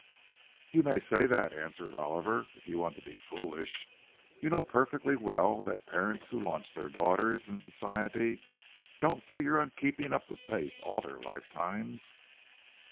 "You may say that," answered Oliver,—"if you want to be foolish. You know perfectly well that parents who launch their daughters in Society don't figure on keeping up the pace all their lifetimes."